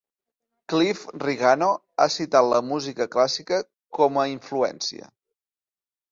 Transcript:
Cliff Rigano ha citat la música clàssica com a influència.